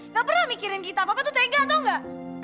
nggak pernah mikirin kita papa tuh tega tau nggak